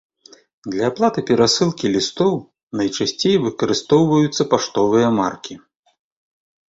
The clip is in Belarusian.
Для аплаты перасылкі лістоў найчасцей выкарыстоўваюцца паштовыя маркі.